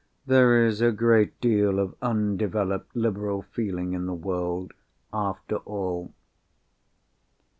There is a great deal of undeveloped liberal feeling in the world, after all!